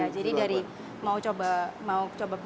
jadi dari mau coba